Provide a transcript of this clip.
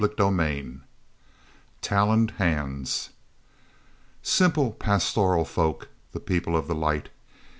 CHAPTER XX Taloned Hands imple, pastoral folk, the People of the Light!